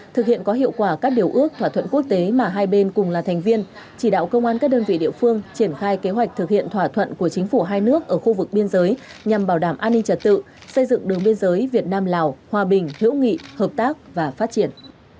thực hiện có hiệu quả các điều ước thỏa thuận quốc tế mà hai bên cùng là thành viên chỉ đạo công an các đơn vị địa phương triển khai kế hoạch thực hiện thỏa thuận của chính phủ hai nước ở khu vực biên giới nhằm bảo đảm an ninh trật tự xây dựng đường biên giới việt nam lào hòa bình hữu nghị hợp tác và phát triển